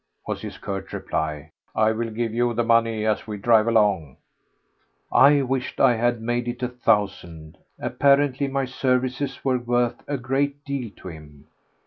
was his curt reply. "I will give you the money as we drive along." I wished I had made it a thousand; apparently my services were worth a great deal to him.